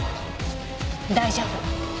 大丈夫。